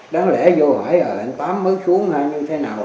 đáng lẽ vô hỏi ờ anh tám mới xuống hay như thế nào